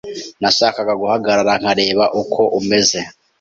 Nashakaga guhagarara nkareba uko umeze.